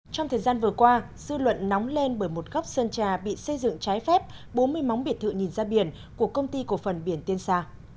trong thời gian vừa qua dư luận nóng lên bởi một góc sơn trà bị xây dựng trái phép bốn mươi món biệt thự nhìn ra biển của công ty cổ phần biển tiên sa